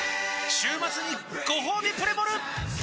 週末にごほうびプレモル！